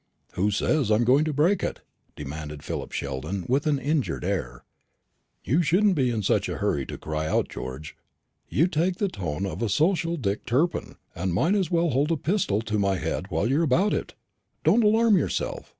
"Who says I am going to break it?" demanded Philip Sheldon with an injured air. "You shouldn't be in such a hurry to cry out, George. You take the tone of a social Dick Turpin, and might as well hold a pistol to my head while you're about it. Don't alarm yourself.